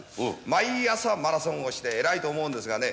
毎朝、マラソンをして偉いと思うんですがね。